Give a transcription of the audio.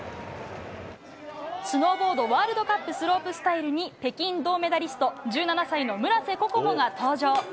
スノーボードワールドカップスロープスタイルに北京銅メダリスト１７歳の村瀬心椛が登場。